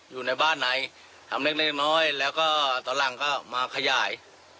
อยู่ในบ้านไหนทำเล็กน้อยแล้วก็ตอนหลังก็มาขยาย